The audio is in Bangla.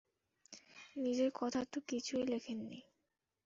নিজের কথা তো কিছুই লেখেন নি!